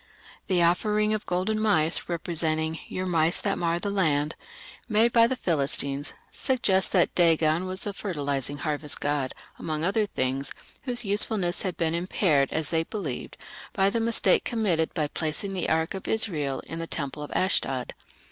The offering of golden mice representing "your mice that mar the land", made by the Philistines, suggests that Dagon was the fertilizing harvest god, among other things, whose usefulness had been impaired, as they believed, by the mistake committed of placing the ark of Israel in the temple at Ashdod.